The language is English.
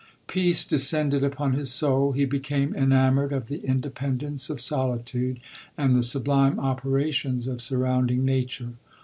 Peace descended upon his soul. He became enamoured of the independence of solitude, and the sublime operations of surrounding nature.